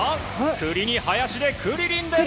栗に林でクリリンです。